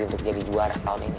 untuk jadi juara tahun ini